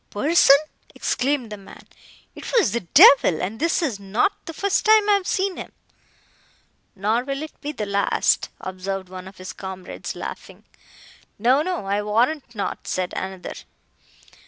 "Person!" exclaimed the man,—"it was the devil, and this is not the first time I have seen him!" "Nor will it be the last," observed one of his comrades, laughing. "No, no, I warrant not," said another.